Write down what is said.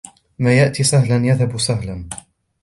ما يأتي سهلا يذهب سهلا.